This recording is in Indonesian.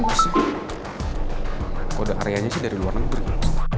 kok udah area nya sih dari luar negeri